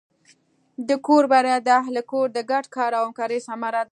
د کور بریا د اهلِ کور د ګډ کار او همکارۍ ثمره ده.